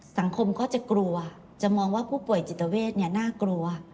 สังคมก็จะกลัวจะมองว่าผู้ป่วยจิตเวทน่ากลัว